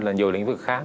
là nhiều lĩnh vực khác